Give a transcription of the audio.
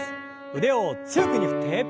腕を強く上に振って。